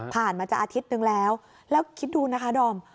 มาจะอาทิตย์นึงแล้วแล้วคิดดูนะคะดอม